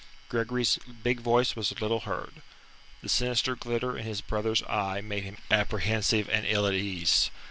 Gregory's big voice was little heard. The sinister glitter in his brother's eye made him apprehensive and ill at ease.